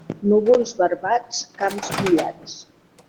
Núvols barbats, camps mullats.